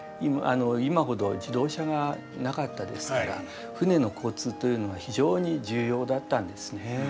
今ほど自動車がなかったですから船の交通というのは非常に重要だったんですね。